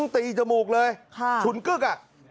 ตีจมูกเลยฉุนกึ๊ก